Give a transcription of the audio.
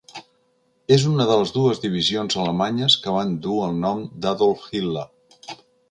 És una de les dues divisions alemanyes que van dur el nom d'Adolf Hitler.